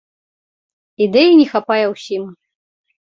Ідэі не хапае ўсім.